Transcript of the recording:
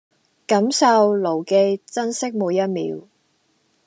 感受、牢記、珍惜每一秒